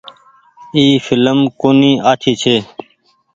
اي ڦلم ڪونيٚ آڇي ڇي۔